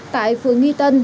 tại phương nghi tân